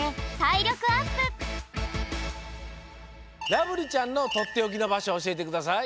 らぶりちゃんのとっておきのばしょおしえてください。